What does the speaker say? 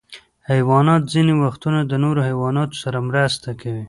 حیوانات ځینې وختونه د نورو حیواناتو سره مرسته کوي.